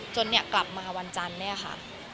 จนแล้วกลับมาวันจันทร์ค่ะ